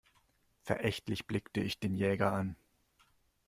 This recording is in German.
Verächtlich blickte ich den Jäger an.